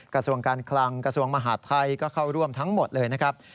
กระทรวงการคลังกระทรวงมหาดไทยก็เข้าร่วมทั้งหมดเลยนะครับ